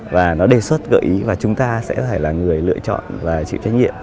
và nó đề xuất gợi ý và chúng ta sẽ phải là người lựa chọn và chịu trách nhiệm